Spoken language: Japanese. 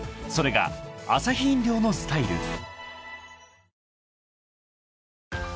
［それがアサヒ飲料のスタイル］